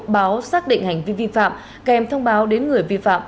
báo xác định hành vi vi phạm kèm thông báo đến người vi phạm